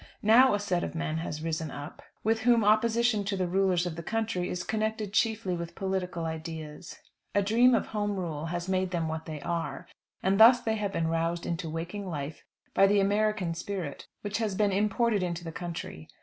Now a set of men has risen up, with whom opposition to the rulers of the country is connected chiefly with political ideas. A dream of Home Rule has made them what they are, and thus they have been roused into waking life, by the American spirit, which has been imported into the country.